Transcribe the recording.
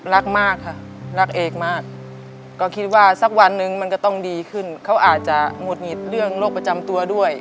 รักมากค่ะรักเอกมากก็คิดว่าสักวันนึงมันก็ต้องดีขึ้นเขาอาจจะหงุดหงิดเรื่องโรคประจำตัวด้วย